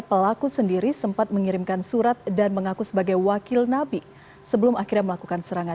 pelaku sendiri sempat mengirimkan surat dan mengaku sebagai wakil nabi sebelum akhirnya melakukan serangan